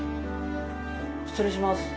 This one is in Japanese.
失礼します。